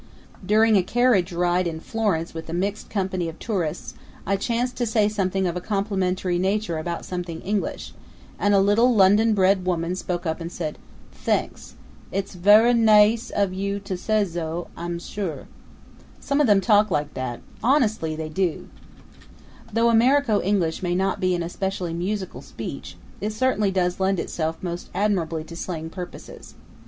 During a carriage ride in Florence with a mixed company of tourists I chanced to say something of a complimentary nature about something English, and a little London bred woman spoke up and said: "Thenks! It's vurry naice of you to sezzo, 'm sure." Some of them talk like that honestly they do! Though Americo English may not be an especially musical speech, it certainly does lend itself most admirably to slang purposes.